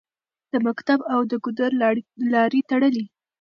د مکتب او د ګودر لارې تړلې